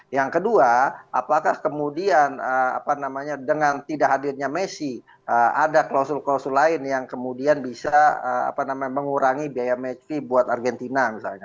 yang kedua apakah kemudian dengan tidak hadirnya messi ada klausul klausul lain yang kemudian bisa mengurangi biaya meski buat argentina misalnya